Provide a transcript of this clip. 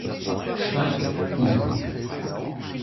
Schweig, Bub!